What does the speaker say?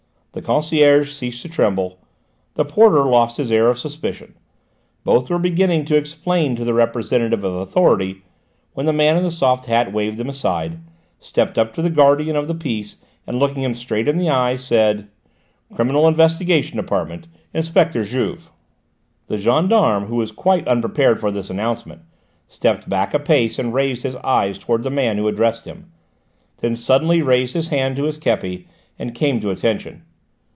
The concierge ceased to tremble; the porter lost his air of suspicion. Both were beginning to explain to the representative of authority, when the man in the soft hat waved them aside, stepped up to the guardian of the peace and looking him straight in the eyes, said: "Criminal Investigation Department! Inspector Juve!" The gendarme, who was quite unprepared for this announcement, stepped back a pace and raised his eyes towards the man who addressed him: then suddenly raised his hand to his képi and came to attention.